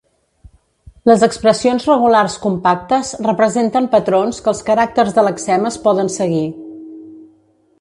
Les expressions regulars compactes representen patrons que els caràcters de lexemes poden seguir.